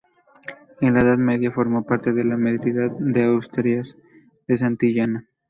En la Edad Media formó parte de la Merindad de las Asturias de Santillana.